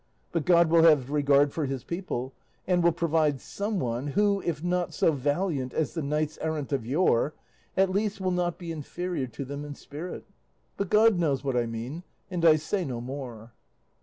But God will have regard for his people, and will provide some one, who, if not so valiant as the knights errant of yore, at least will not be inferior to them in spirit; but God knows what I mean, and I say no more."